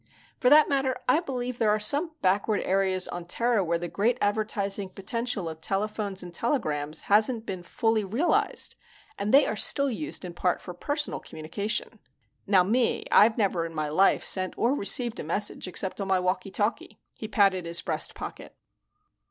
For that matter, I believe there are some backward areas on Terra where the great advertising potential of telephones and telegrams hasn't been fully realized and they are still used in part for personal communication. Now me, I've never in my life sent or received a message except on my walky talky." He patted his breast pocket.